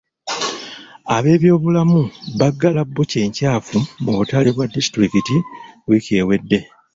Abeebyobulamu baggala bbukya enkyafu mu butale bwa disitulikiti wiiki ewedde.